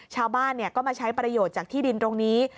ชาวบ้านก็มาใช้ประโยชน์จากที่ดินตรงนี้